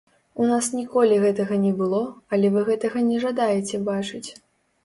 У нас ніколі гэтага не было, але вы гэтага не жадаеце бачыць.